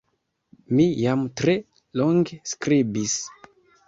Mi jam tre longe skribis.